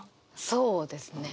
そうですね。